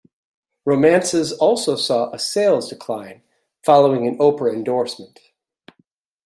Romances also saw a sales decline, following an Oprah endorsement.